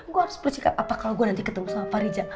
gue harus berusaha cakap apa kalau gue nanti ketemu sama pak rizal